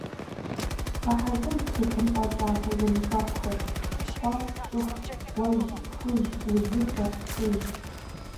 Гъэхьэзыр тхылъымпӀэ кӀапэ зэмыфэгъухэр: щхъуэ, щӀыху, гъуэжь, хужь, удзыфэ, плъыжь.